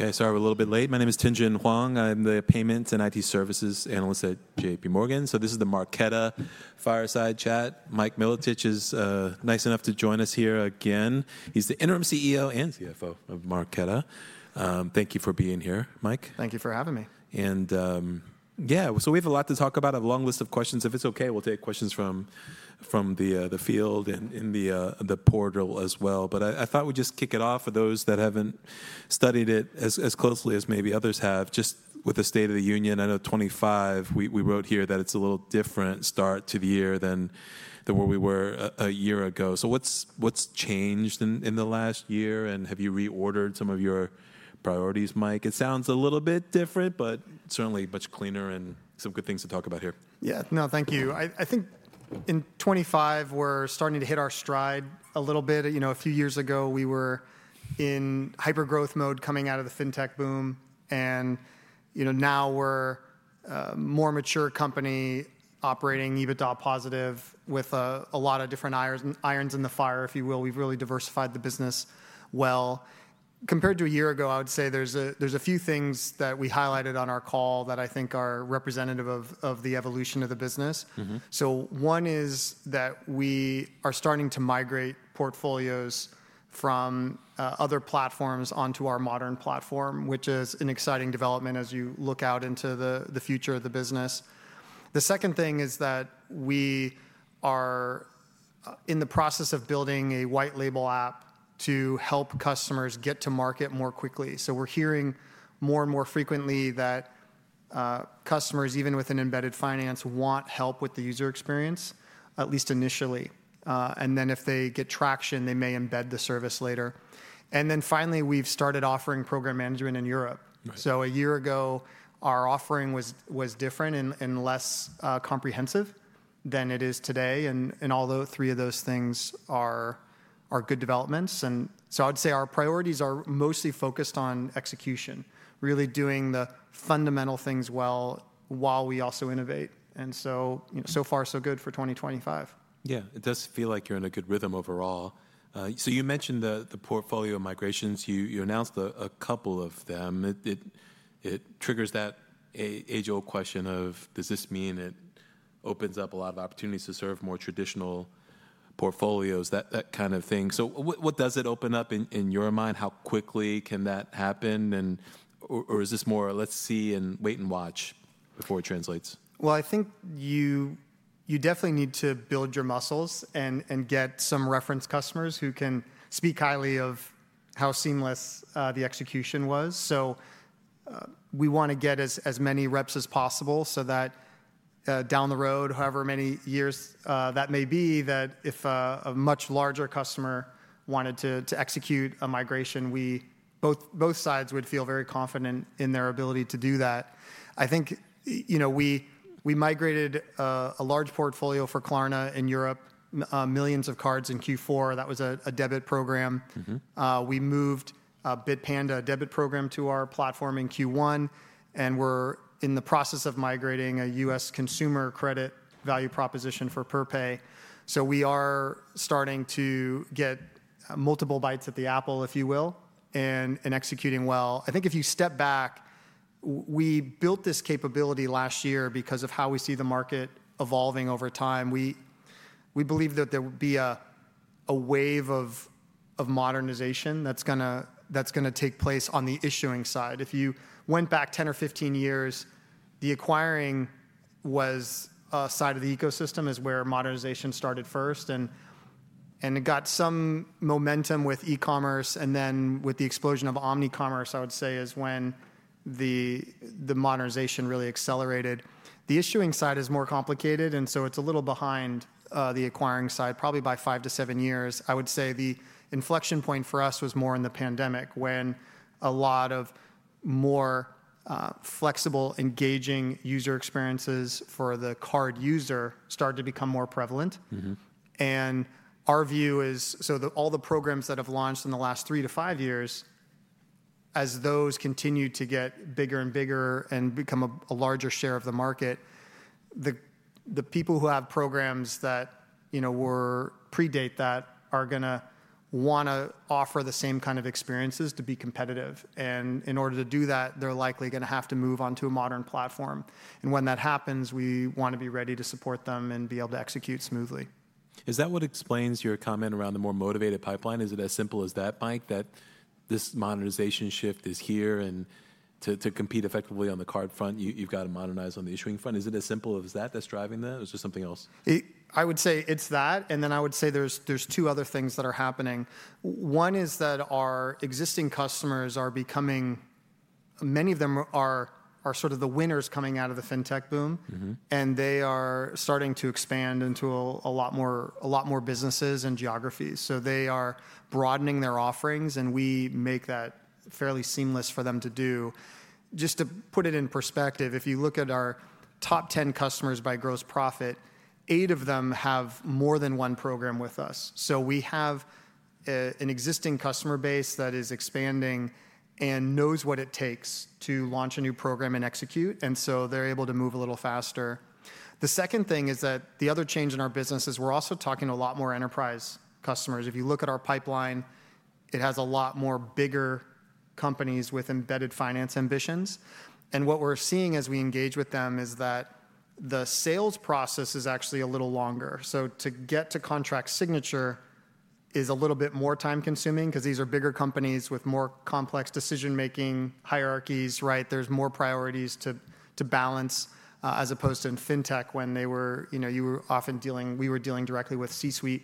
Okay, sorry we're a little bit late. My name is Tien-Tsin Huang. I'm the Payments and IT Services Analyst at JPMorgan. This is the Marqeta Fireside Chat. Mike Milotich is nice enough to join us here again. He's the Interim CEO and CFO of Marqeta. Thank you for being here, Mike. Thank you for having me. Yeah, we have a lot to talk about. I have a long list of questions. If it's okay, we'll take questions from the field and the portal as well. I thought we'd just kick it off for those that haven't studied it as closely as maybe others have, just with the state of the union. I know 2025, we wrote here that it's a little different start to the year than where we were a year ago. What's changed in the last year? Have you reordered some of your priorities, Mike? It sounds a little bit different, but certainly much cleaner and some good things to talk about here. Yeah, no, thank you. I think in 2025, we're starting to hit our stride a little bit. You know, a few years ago, we were in hyper-growth mode coming out of the fintech boom. And now we're a more mature company operating, even though positive with a lot of different irons in the fire, if you will. We've really diversified the business well. Compared to a year ago, I would say there's a few things that we highlighted on our call that I think are representative of the evolution of the business. One is that we are starting to migrate portfolios from other platforms onto our modern platform, which is an exciting development as you look out into the future of the business. The second thing is that we are in the process of building a white-label app to help customers get to market more quickly. We're hearing more and more frequently that customers, even with an embedded finance, want help with the user experience, at least initially. If they get traction, they may embed the service later. Finally, we've started offering program management in Europe. A year ago, our offering was different and less comprehensive than it is today. Although three of those things are good developments, I'd say our priorities are mostly focused on execution, really doing the fundamental things well while we also innovate. So far, so good for 2025. Yeah, it does feel like you're in a good rhythm overall. You mentioned the portfolio migrations. You announced a couple of them. It triggers that age-old question of, does this mean it opens up a lot of opportunities to serve more traditional portfolios, that kind of thing? What does it open up in your mind? How quickly can that happen? Is this more, let's see and wait and watch before it translates? I think you definitely need to build your muscles and get some reference customers who can speak highly of how seamless the execution was. We want to get as many reps as possible so that down the road, however many years that may be, if a much larger customer wanted to execute a migration, both sides would feel very confident in their ability to do that. I think we migrated a large portfolio for Klarna in Europe, millions of cards in Q4. That was a debit program. We moved Bitpanda debit program to our platform in Q1 and are in the process of migrating a U.S. consumer credit value proposition for Prepay. We are starting to get multiple bites at the apple, if you will, and executing well. I think if you step back, we built this capability last year because of how we see the market evolving over time. We believe that there will be a wave of modernization that's going to take place on the issuing side. If you went back 10 or 15 years, the acquiring side of the ecosystem is where modernization started first. It got some momentum with e-commerce and then with the explosion of omnicommerce, I would say, is when the modernization really accelerated. The issuing side is more complicated, and so it's a little behind the acquiring side, probably by five to seven years. I would say the inflection point for us was more in the pandemic when a lot of more flexible, engaging user experiences for the card user started to become more prevalent. Our view is, all the programs that have launched in the last three to five years, as those continue to get bigger and bigger and become a larger share of the market, the people who have programs that predate that are going to want to offer the same kind of experiences to be competitive. In order to do that, they're likely going to have to move on to a modern platform. When that happens, we want to be ready to support them and be able to execute smoothly. Is that what explains your comment around the more motivated pipeline? Is it as simple as that, Mike, that this modernization shift is here and to compete effectively on the card front, you've got to modernize on the issuing front? Is it as simple as that that's driving that, or is there something else? I would say it's that. I would say there's two other things that are happening. One is that our existing customers are becoming, many of them are sort of the winners coming out of the fintech boom, and they are starting to expand into a lot more businesses and geographies. They are broadening their offerings, and we make that fairly seamless for them to do. Just to put it in perspective, if you look at our top 10 customers by gross profit, eight of them have more than one program with us. We have an existing customer base that is expanding and knows what it takes to launch a new program and execute. They are able to move a little faster. The second thing is that the other change in our business is we're also talking to a lot more enterprise customers. If you look at our pipeline, it has a lot more bigger companies with embedded finance ambitions. What we're seeing as we engage with them is that the sales process is actually a little longer. To get to contract signature is a little bit more time-consuming because these are bigger companies with more complex decision-making hierarchies, right? There are more priorities to balance as opposed to in fintech when you were often dealing, we were dealing directly with C-suite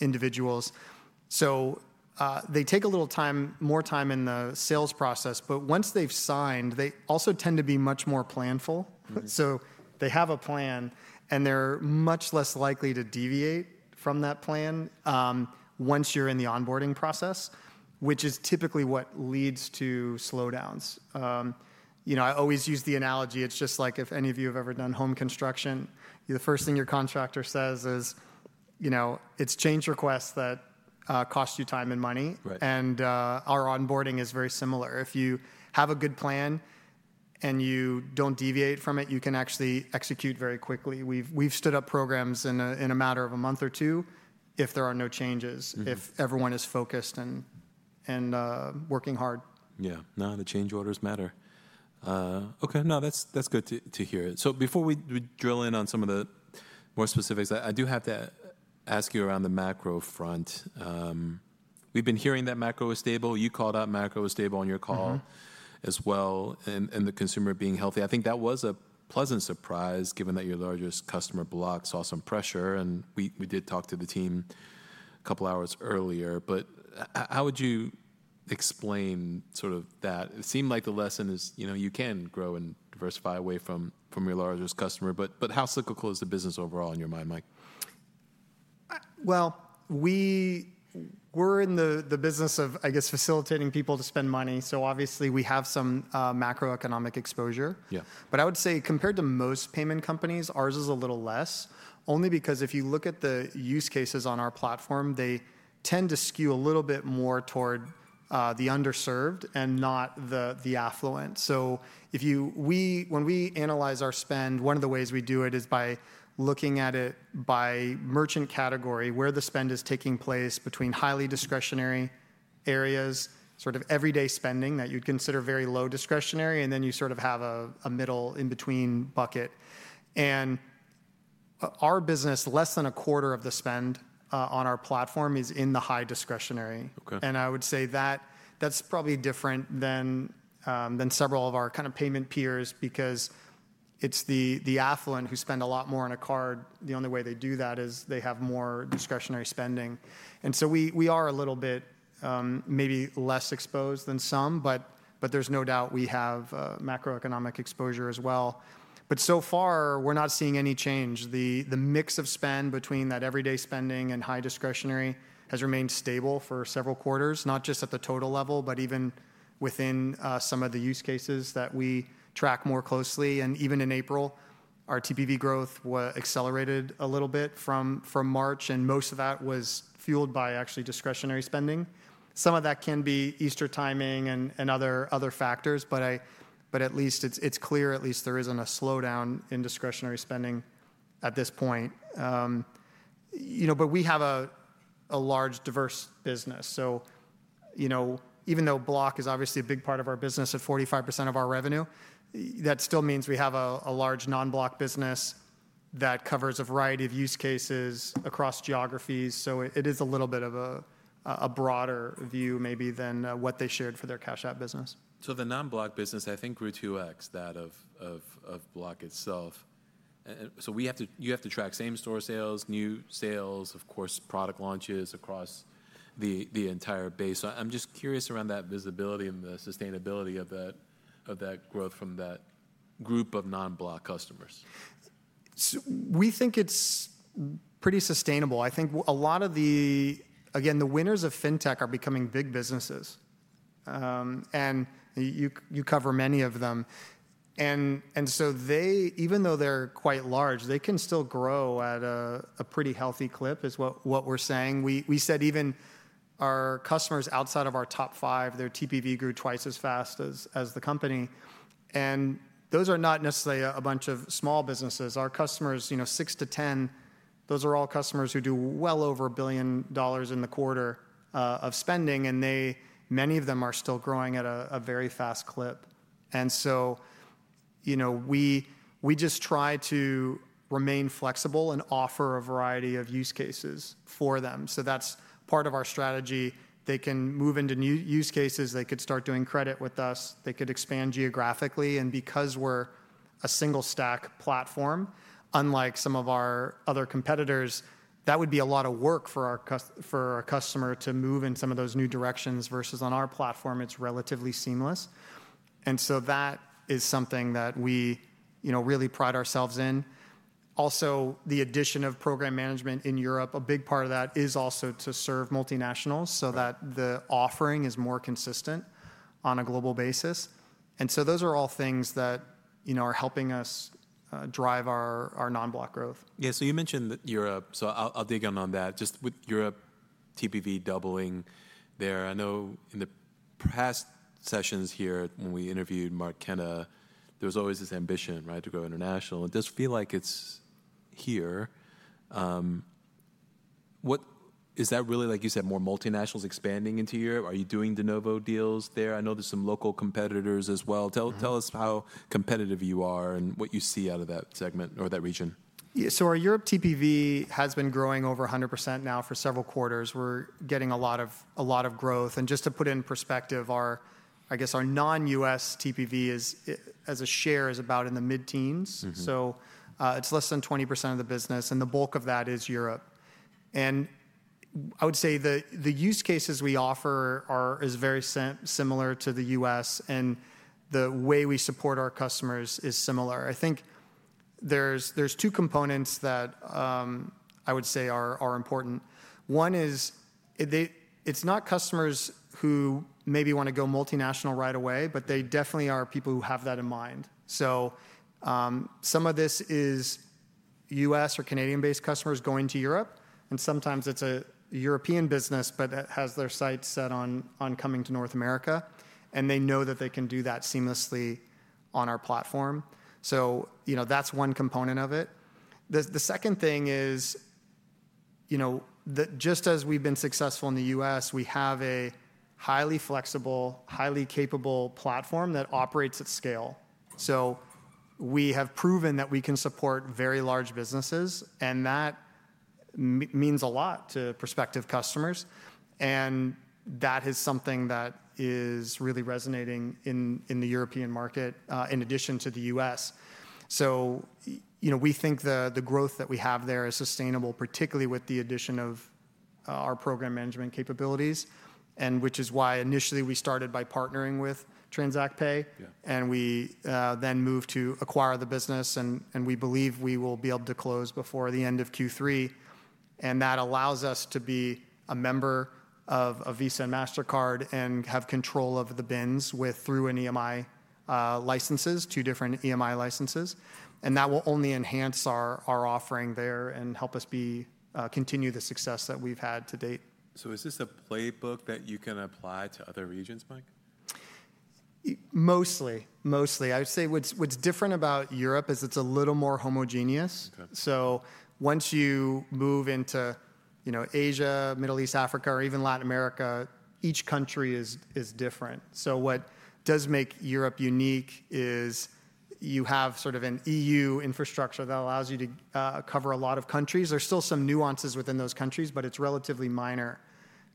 individuals. They take a little more time in the sales process, but once they've signed, they also tend to be much more planful. They have a plan, and they're much less likely to deviate from that plan once you're in the onboarding process, which is typically what leads to slowdowns. I always use the analogy. It's just like if any of you have ever done home construction, the first thing your contractor says is, "It's change requests that cost you time and money." Our onboarding is very similar. If you have a good plan and you don't deviate from it, you can actually execute very quickly. We've stood up programs in a matter of a month or two if there are no changes, if everyone is focused and working hard. Yeah, no, the change orders matter. Okay, no, that's good to hear. Before we drill in on some of the more specifics, I do have to ask you around the macro front. We've been hearing that macro is stable. You called out macro is stable on your call as well and the consumer being healthy. I think that was a pleasant surprise given that your largest customer Block saw some pressure. We did talk to the team a couple of hours earlier. How would you explain sort of that? It seemed like the lesson is you can grow and diversify away from your largest customer. How cyclical is the business overall in your mind, Mike? We are in the business of, I guess, facilitating people to spend money. Obviously, we have some macroeconomic exposure. I would say compared to most payment companies, ours is a little less, only because if you look at the use cases on our platform, they tend to skew a little bit more toward the underserved and not the affluent. When we analyze our spend, one of the ways we do it is by looking at it by merchant category where the spend is taking place between highly discretionary areas, sort of everyday spending that you would consider very low discretionary, and then you sort of have a middle in-between bucket. In our business, less than a quarter of the spend on our platform is in the high discretionary. I would say that that's probably different than several of our kind of payment peers because it's the affluent who spend a lot more on a card. The only way they do that is they have more discretionary spending. We are a little bit maybe less exposed than some, but there's no doubt we have macroeconomic exposure as well. So far, we're not seeing any change. The mix of spend between that everyday spending and high discretionary has remained stable for several quarters, not just at the total level, but even within some of the use cases that we track more closely. Even in April, our TPV growth accelerated a little bit from March, and most of that was fueled by actually discretionary spending. Some of that can be Easter timing and other factors, but at least it's clear at least there isn't a slowdown in discretionary spending at this point. We have a large, diverse business. Even though Block is obviously a big part of our business at 45% of our revenue, that still means we have a large non-Block business that covers a variety of use cases across geographies. It is a little bit of a broader view maybe than what they shared for their Cash App business. The non-block business, I think, grew 2x that of Block itself. You have to track same-store sales, new sales, of course, product launches across the entire base. I'm just curious around that visibility and the sustainability of that growth from that group of non-block customers. We think it's pretty sustainable. I think a lot of the, again, the winners of fintech are becoming big businesses. You cover many of them. Even though they're quite large, they can still grow at a pretty healthy clip is what we're saying. We said even our customers outside of our top five, their TPV grew twice as fast as the company. Those are not necessarily a bunch of small businesses. Our customers, six to ten, those are all customers who do well over $1 billion in the quarter of spending. Many of them are still growing at a very fast clip. We just try to remain flexible and offer a variety of use cases for them. That's part of our strategy. They can move into new use cases. They could start doing credit with us. They could expand geographically. Because we are a single-stack platform, unlike some of our other competitors, that would be a lot of work for our customer to move in some of those new directions versus on our platform, it is relatively seamless. That is something that we really pride ourselves in. Also, the addition of program management in Europe, a big part of that is also to serve multinationals so that the offering is more consistent on a global basis. Those are all things that are helping us drive our non-Block growth. Yeah, you mentioned Europe. I'll dig in on that. Just with Europe TPV doubling there. I know in the past sessions here when we interviewed Marqeta, there was always this ambition to grow international. It does feel like it's here. Is that really, like you said, more multinationals expanding into Europe? Are you doing de novo deals there? I know there are some local competitors as well. Tell us how competitive you are and what you see out of that segment or that region. Yeah, so our Europe TPV has been growing over 100% now for several quarters. We're getting a lot of growth. Just to put it in perspective, I guess our non-U.S.TPV as a share is about in the mid-teens. It's less than 20% of the business. The bulk of that is Europe. I would say the use cases we offer are very similar to the U.S., and the way we support our customers is similar. I think there are two components that I would say are important. One is it's not customers who maybe want to go multinational right away, but they definitely are people who have that in mind. Some of this is U.S. or Canadian-based customers going to Europe. Sometimes it's a European business, but it has their sights set on coming to North America. They know that they can do that seamlessly on our platform. That is one component of it. The second thing is just as we have been successful in the U.S., we have a highly flexible, highly capable platform that operates at scale. We have proven that we can support very large businesses, and that means a lot to prospective customers. That is something that is really resonating in the European market in addition to the U.S.. We think the growth that we have there is sustainable, particularly with the addition of our program management capabilities, which is why initially we started by partnering with TransactPay. We then moved to acquire the business, and we believe we will be able to close before the end of Q3. That allows us to be a member of Visa and Mastercard and have control of the BINs through EMI licenses, two different EMI licenses. That will only enhance our offering there and help us continue the success that we've had to date. Is this a playbook that you can apply to other regions, Mike? Mostly, mostly. I would say what's different about Europe is it's a little more homogeneous. Once you move into Asia, Middle East, Africa, or even Latin America, each country is different. What does make Europe unique is you have sort of an E.U. infrastructure that allows you to cover a lot of countries. There are still some nuances within those countries, but it's relatively minor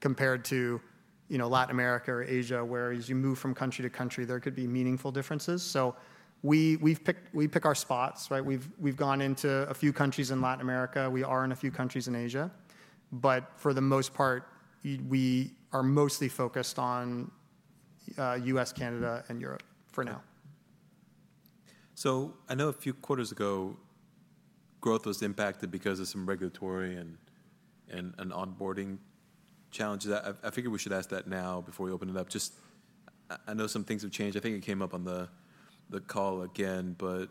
compared to Latin America or Asia, where as you move from country to country, there could be meaningful differences. We pick our spots. We've gone into a few countries in Latin America. We are in a few countries in Asia. For the most part, we are mostly focused on U.S., Canada, and Europe for now. I know a few quarters ago, growth was impacted because of some regulatory and onboarding challenges. I figured we should ask that now before we open it up. I know some things have changed. I think it came up on the call again, but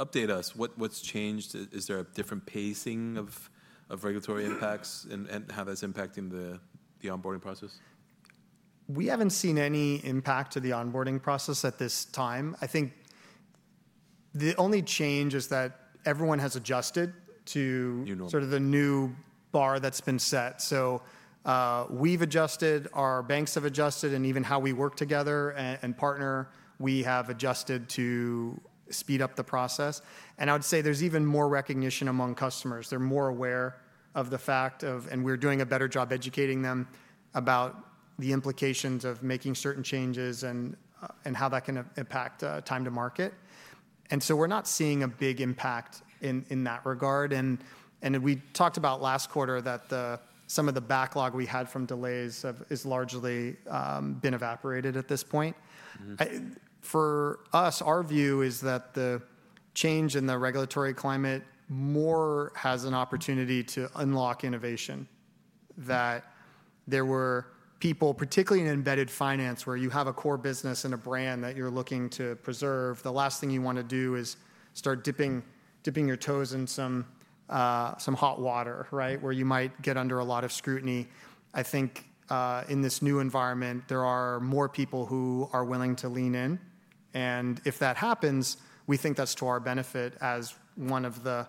update us. What's changed? Is there a different pacing of regulatory impacts and how that's impacting the onboarding process? We haven't seen any impact to the onboarding process at this time. I think the only change is that everyone has adjusted to sort of the new bar that's been set. We have adjusted, our banks have adjusted, and even how we work together and partner, we have adjusted to speed up the process. I would say there's even more recognition among customers. They're more aware of the fact of, and we're doing a better job educating them about the implications of making certain changes and how that can impact time to market. We're not seeing a big impact in that regard. We talked about last quarter that some of the backlog we had from delays has largely been evaporated at this point. For us, our view is that the change in the regulatory climate more has an opportunity to unlock innovation. That there were people, particularly in embedded finance, where you have a core business and a brand that you're looking to preserve. The last thing you want to do is start dipping your toes in some hot water, where you might get under a lot of scrutiny. I think in this new environment, there are more people who are willing to lean in. If that happens, we think that's to our benefit as one of the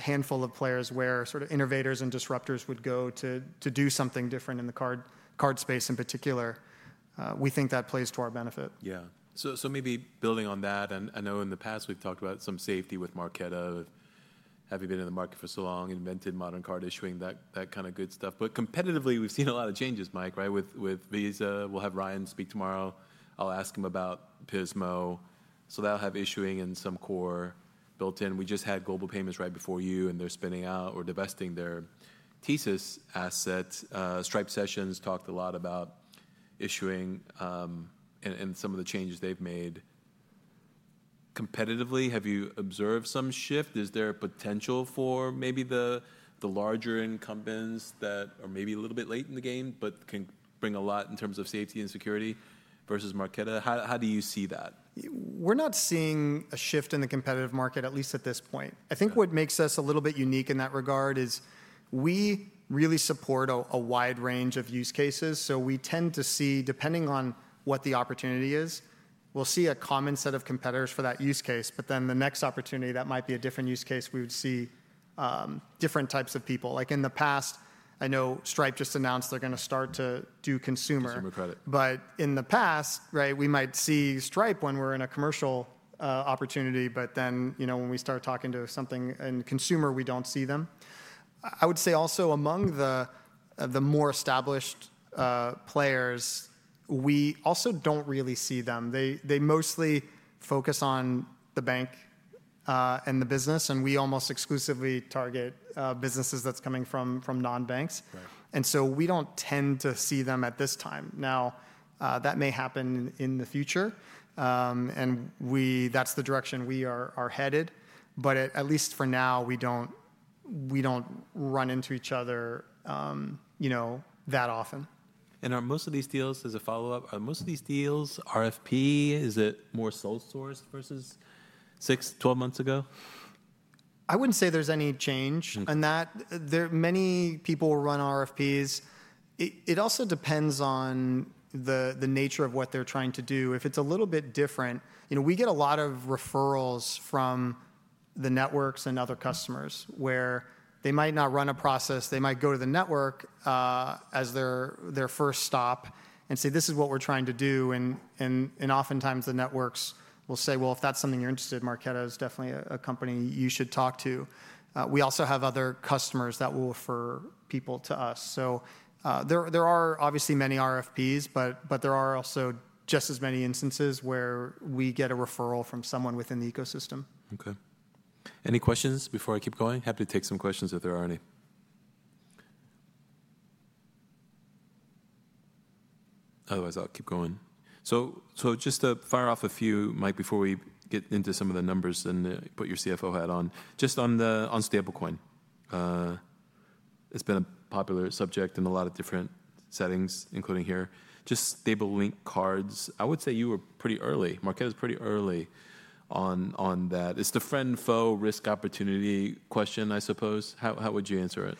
handful of players where sort of innovators and disruptors would go to do something different in the card space in particular. We think that plays to our benefit. Yeah. Maybe building on that, I know in the past we've talked about some safety with Marqeta. Having been in the market for so long, invented modern card issuing, that kind of good stuff. Competitively, we've seen a lot of changes, Mike, with Visa. We'll have Ryan speak tomorrow. I'll ask him about Pismo. They'll have issuing and some core built in. We just had Global Payments right before you, and they're spinning out or divesting their Thesis asset. Stripe Sessions talked a lot about issuing and some of the changes they've made. Competitively, have you observed some shift? Is there a potential for maybe the larger incumbents that are maybe a little bit late in the game, but can bring a lot in terms of safety and security versus Marqeta, how do you see that? We're not seeing a shift in the competitive market, at least at this point. I think what makes us a little bit unique in that regard is we really support a wide range of use cases. We tend to see, depending on what the opportunity is, we'll see a common set of competitors for that use case. The next opportunity, that might be a different use case. We would see different types of people. Like in the past, I know Stripe just announced they're going to start to do consumer. Consumer credit. But in the past, we might see Stripe when we're in a commercial opportunity. But then when we start talking to something in consumer, we don't see them. I would say also among the more established players, we also don't really see them. They mostly focus on the bank and the business. We almost exclusively target businesses that's coming from non-banks. We don't tend to see them at this time. That may happen in the future. That's the direction we are headed. At least for now, we don't run into each other that often. Are most of these deals, as a follow-up, are most of these deals RFP? Is it more sole sourced versus six, twelve months ago? I wouldn't say there's any change. Many people run RFPs. It also depends on the nature of what they're trying to do. If it's a little bit different, we get a lot of referrals from the networks and other customers where they might not run a process. They might go to the network as their first stop and say, this is what we're trying to do. Oftentimes the networks will say, if that's something you're interested in, Marqeta is definitely a company you should talk to. We also have other customers that will refer people to us. There are obviously many RFPs, but there are also just as many instances where we get a referral from someone within the ecosystem. Okay. Any questions before I keep going? Happy to take some questions if there are any. Otherwise, I'll keep going. Just to fire off a few, Mike, before we get into some of the numbers and put your CFO hat on. Just on stablecoin, it's been a popular subject in a lot of different settings, including here. Just stablecoin cards. I would say you were pretty early. Marqeta was pretty early on that. It's the friend, foe, risk, opportunity question, I suppose. How would you answer it?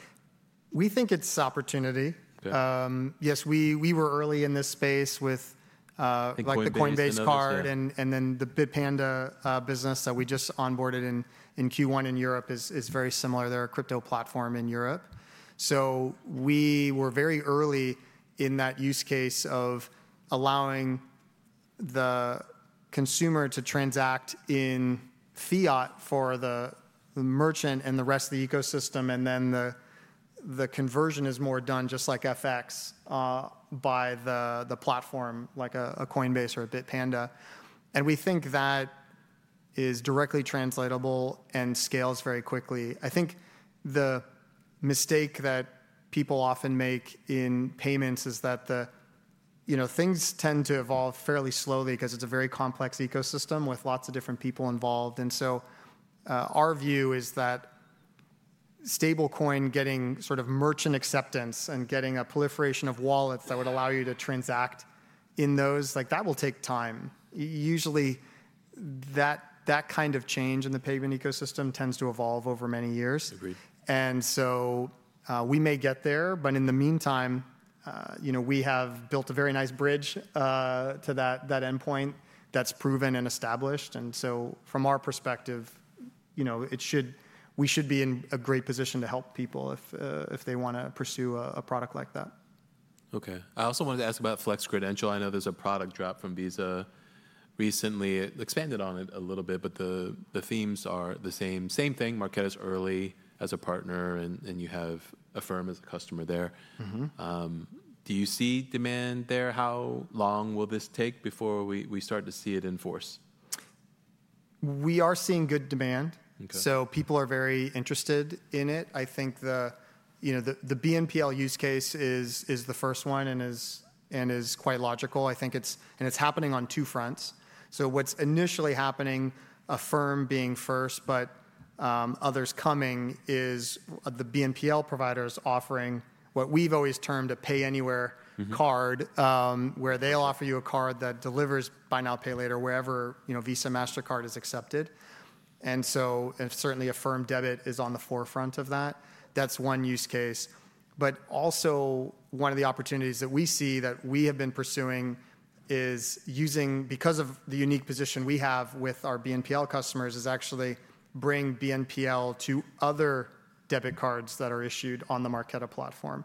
We think it's opportunity. Yes, we were early in this space with the Coinbase card. The Bitpanda business that we just onboarded in Q1 in Europe is very similar. They're a crypto platform in Europe. We were very early in that use case of allowing the consumer to transact in fiat for the merchant and the rest of the ecosystem. The conversion is more done just like FX by the platform, like a Coinbase or a Bitpanda. We think that is directly translatable and scales very quickly. I think the mistake that people often make in payments is that things tend to evolve fairly slowly because it's a very complex ecosystem with lots of different people involved. Our view is that stablecoin getting sort of merchant acceptance and getting a proliferation of wallets that would allow you to transact in those, that will take time. Usually, that kind of change in the payment ecosystem tends to evolve over many years. We may get there. In the meantime, we have built a very nice bridge to that endpoint that is proven and established. From our perspective, we should be in a great position to help people if they want to pursue a product like that. Okay. I also wanted to ask about Flex Credential. I know there is a product drop from Visa recently. Expanded on it a little bit, but the themes are the same. Same thing, Marqeta is early as a partner, and you have Affirm as a customer there. Do you see demand there? How long will this take before we start to see it in force? We are seeing good demand. People are very interested in it. I think the BNPL use case is the first one and is quite logical. It is happening on two fronts. What is initially happening, Affirm being first, but others coming, is the BNPL providers offering what we have always termed a Payanywhere card, where they will offer you a card that delivers buy now, pay later wherever Visa or Mastercard is accepted. Certainly, Affirm debit is on the forefront of that. That is one use case. One of the opportunities that we see that we have been pursuing is using, because of the unique position we have with our BNPL customers, actually bringing BNPL to other debit cards that are issued on the Marqeta platform.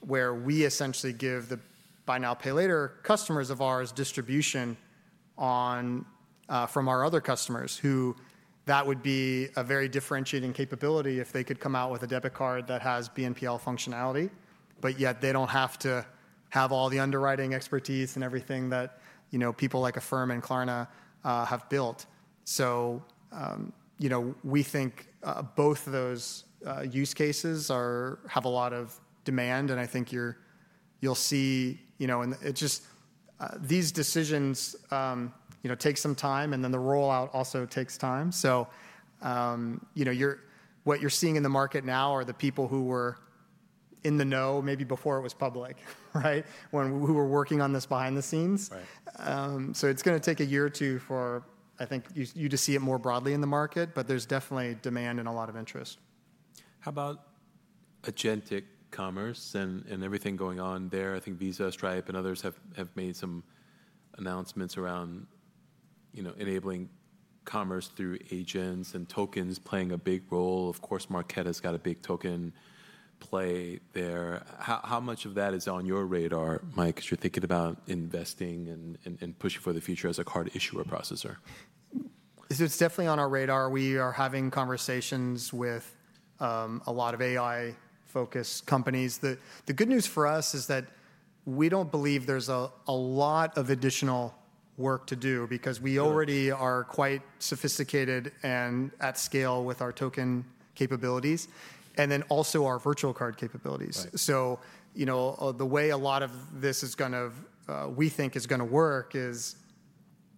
Where we essentially give the buy now, pay later customers of ours distribution from our other customers, that would be a very differentiating capability if they could come out with a debit card that has BNPL functionality, but yet they do not have to have all the underwriting expertise and everything that people like Affirm and Klarna have built. We think both of those use cases have a lot of demand. I think you will see these decisions take some time, and then the rollout also takes time. What you are seeing in the market now are the people who were in the know maybe before it was public, who were working on this behind the scenes. It is going to take a year or two for, I think, you to see it more broadly in the market, but there is definitely demand and a lot of interest. How about agentic commerce and everything going on there? I think Visa, Stripe, and others have made some announcements around enabling commerce through agents and tokens playing a big role. Of course, Marqeta has got a big token play there. How much of that is on your radar, Mike, as you're thinking about investing and pushing for the future as a card issuer processor? It's definitely on our radar. We are having conversations with a lot of AI-focused companies. The good news for us is that we don't believe there's a lot of additional work to do because we already are quite sophisticated and at scale with our token capabilities and then also our virtual card capabilities. The way a lot of this is going to, we think, is going to work is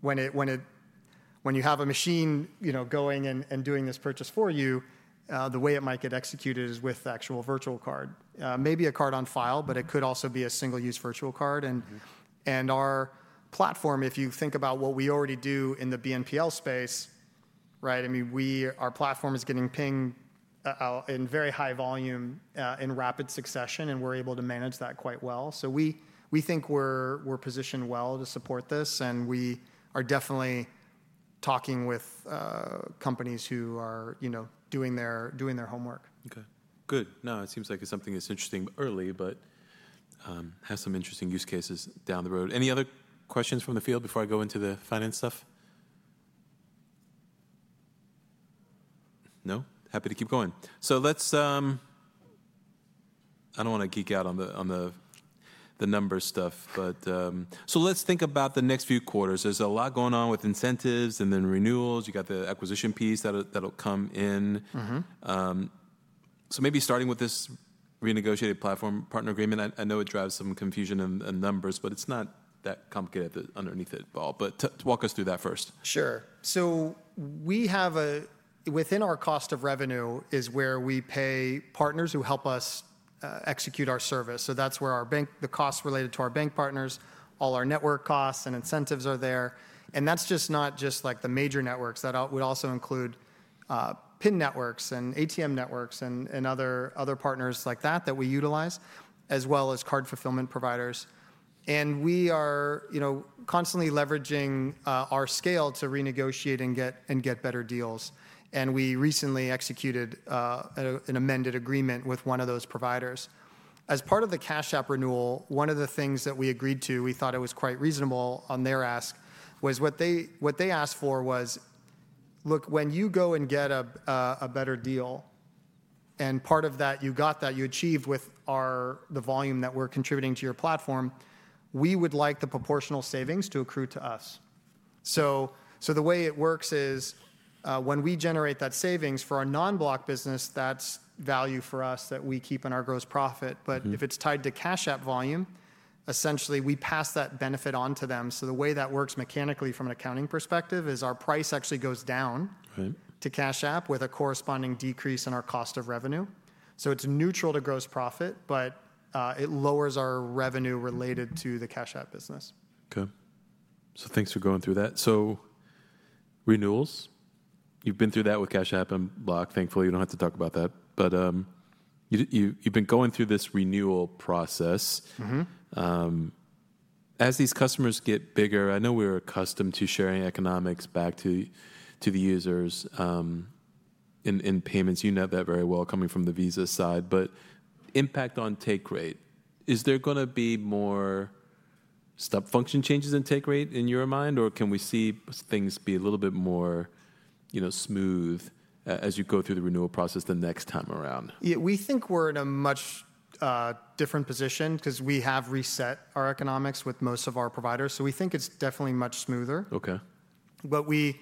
when you have a machine going and doing this purchase for you, the way it might get executed is with actual virtual card. Maybe a card on file, but it could also be a single-use virtual card. Our platform, if you think about what we already do in the BNPL space, our platform is getting pinged in very high volume in rapid succession, and we're able to manage that quite well. We think we're positioned well to support this. We are definitely talking with companies who are doing their homework. Okay. Good. No, it seems like it's something that's interesting early, but has some interesting use cases down the road. Any other questions from the field before I go into the finance stuff? No? Happy to keep going. I don't want to geek out on the number stuff. Let's think about the next few quarters. There's a lot going on with incentives and then renewals. You've got the acquisition piece that'll come in. Maybe starting with this renegotiated platform partner agreement. I know it drives some confusion in the numbers, but it's not that complicated underneath it all. Walk us through that first. Sure. Within our cost of revenue is where we pay partners who help us execute our service. That is where the costs related to our bank partners, all our network costs and incentives are. That is not just the major networks. That would also include PIN networks and ATM networks and other partners like that that we utilize, as well as card fulfillment providers. We are constantly leveraging our scale to renegotiate and get better deals. We recently executed an amended agreement with one of those providers. As part of the Cash App renewal, one of the things that we agreed to, we thought it was quite reasonable on their ask, was what they asked for was, look, when you go and get a better deal, and part of that you achieved with the volume that we're contributing to your platform, we would like the proportional savings to accrue to us. The way it works is when we generate that savings for our non-Block business, that's value for us that we keep in our gross profit. If it's tied to Cash App volume, essentially we pass that benefit on to them. The way that works mechanically from an accounting perspective is our price actually goes down to Cash App with a corresponding decrease in our cost of revenue. It's neutral to gross profit, but it lowers our revenue related to the Cash App business. Okay. Thanks for going through that. Renewals, you've been through that with Cash App and Block. Thankfully, you don't have to talk about that. You've been going through this renewal process. As these customers get bigger, I know we're accustomed to sharing economics back to the users in payments. You know that very well coming from the Visa side. Impact on take rate, is there going to be more function changes in take rate in your mind? Can we see things be a little bit more smooth as you go through the renewal process the next time around? Yeah, we think we're in a much different position because we have reset our economics with most of our providers. We think it's definitely much smoother. What we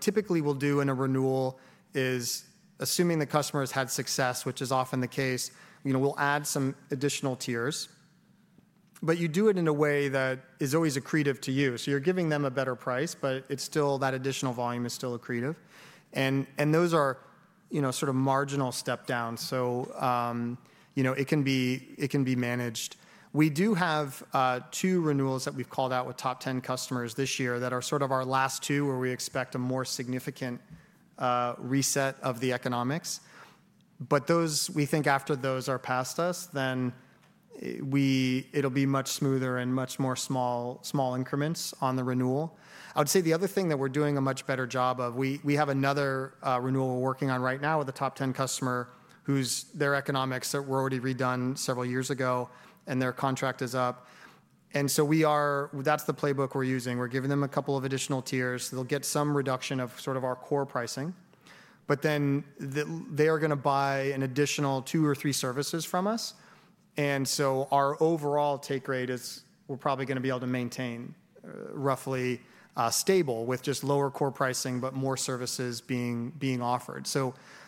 typically will do in a renewal is, assuming the customer has had success, which is often the case, we'll add some additional tiers. You do it in a way that is always accretive to you. You're giving them a better price, but that additional volume is still accretive. Those are sort of marginal step down, so it can be managed. We do have two renewals that we've called out with top 10 customers this year that are sort of our last two where we expect a more significant reset of the economics. We think after those are past us, then it'll be much smoother and much more small increments on the renewal. I would say the other thing that we're doing a much better job of, we have another renewal we're working on right now with a top 10 customer whose economics were already redone several years ago and their contract is up. That is the playbook we're using. We're giving them a couple of additional tiers. They'll get some reduction of sort of our core pricing. They are going to buy an additional two or three services from us. Our overall take rate is we're probably going to be able to maintain roughly stable with just lower core pricing, but more services being offered.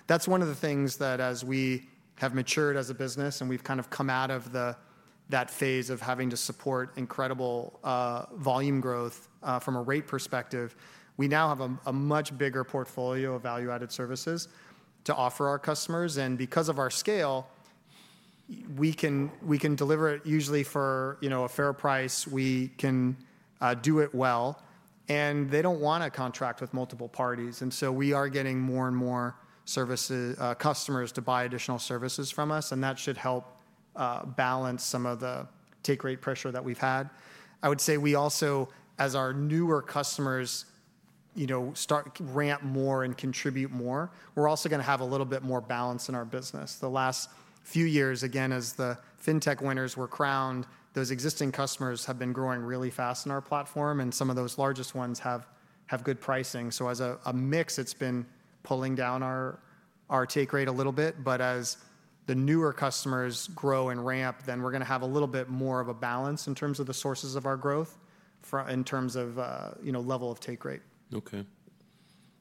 That's one of the things that as we have matured as a business and we've kind of come out of that phase of having to support incredible volume growth from a rate perspective, we now have a much bigger portfolio of value-added services to offer our customers. Because of our scale, we can deliver it usually for a fair price. We can do it well. They do not want a contract with multiple parties. We are getting more and more customers to buy additional services from us. That should help balance some of the take rate pressure that we've had. I would say we also, as our newer customers ramp more and contribute more, we're also going to have a little bit more balance in our business. The last few years, again, as the fintech winners were crowned, those existing customers have been growing really fast in our platform. Some of those largest ones have good pricing. As a mix, it has been pulling down our take rate a little bit. As the newer customers grow and ramp, then we are going to have a little bit more of a balance in terms of the sources of our growth in terms of level of take rate. Okay.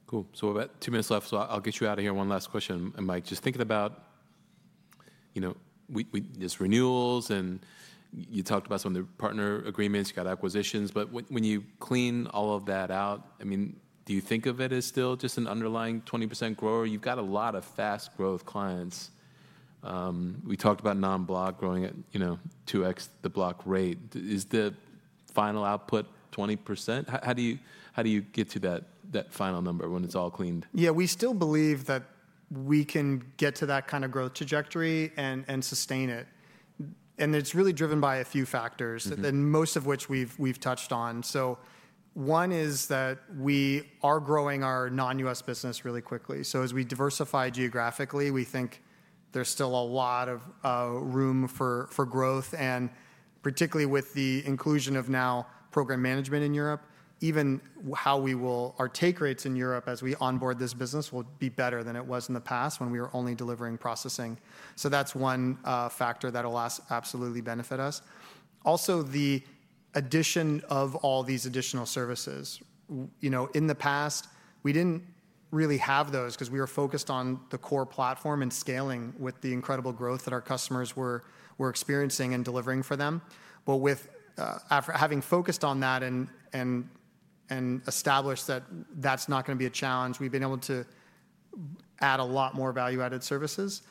Cool. We're about two minutes left. I'll get you out of here. One last question, Mike. Just thinking about this renewals and you talked about some of the partner agreements, you've got acquisitions. When you clean all of that out, do you think of it as still just an underlying 20% grower? You've got a lot of fast growth clients. We talked about non-Block growing at 2x the Block rate. Is the final output 20%? How do you get to that final number when it's all cleaned? Yeah, we still believe that we can get to that kind of growth trajectory and sustain it. It is really driven by a few factors, most of which we've touched on. One is that we are growing our non-U.S. business really quickly. As we diversify geographically, we think there's still a lot of room for growth. Particularly with the inclusion of now program management in Europe, even how we will our take rates in Europe as we onboard this business will be better than it was in the past when we were only delivering processing. That is one factor that will absolutely benefit us. Also, the addition of all these additional services. In the past, we didn't really have those because we were focused on the core platform and scaling with the incredible growth that our customers were experiencing and delivering for them. With having focused on that and established that that's not going to be a challenge, we've been able to add a lot more value-added services.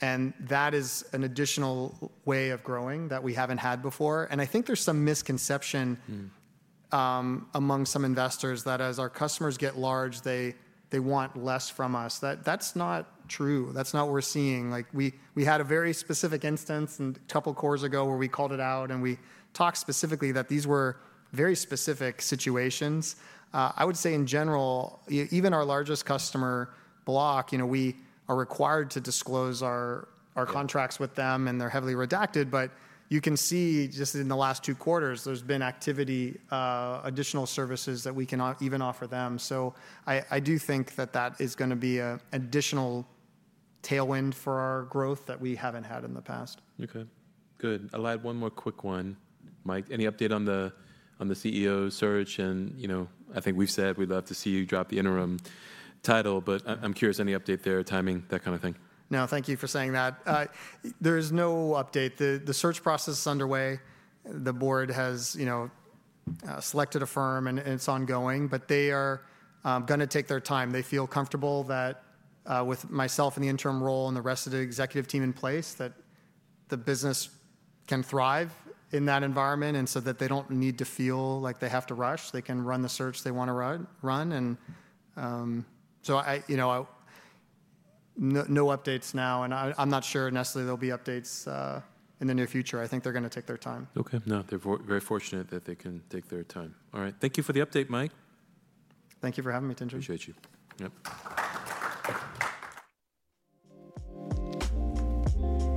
That is an additional way of growing that we haven't had before. I think there's some misconception among some investors that as our customers get large, they want less from us. That's not true. That's not what we're seeing. We had a very specific instance a couple of quarters ago where we called it out and we talked specifically that these were very specific situations. I would say in general, even our largest customer, Block, we are required to disclose our contracts with them and they're heavily redacted. You can see just in the last two quarters, there's been activity, additional services that we can even offer them. I do think that that is going to be an additional tailwind for our growth that we haven't had in the past. Okay. Good. I'll add one more quick one, Mike. Any update on the CEO search? I think we've said we'd love to see you drop the interim title, but I'm curious, any update there, timing, that kind of thing? No, thank you for saying that. There is no update. The search process is underway. The board has selected a firm and it is ongoing, but they are going to take their time. They feel comfortable that with myself in the interim role and the rest of the executive team in place, the business can thrive in that environment so they do not need to feel like they have to rush. They can run the search they want to run. No updates now. I am not sure necessarily there will be updates in the near future. I think they are going to take their time. Okay. No, they're very fortunate that they can take their time. All right. Thank you for the update, Mike. Thank you for having me, Tien-Tsin. Appreciate you. Yep.